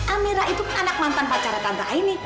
amira itu anak mantan pacaran tante aini